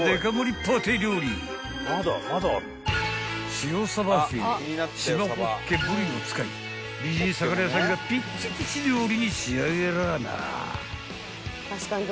［塩さばフィレ縞ホッケぶりを使い美人魚屋さんがピッチピチ料理に仕上げらぁな］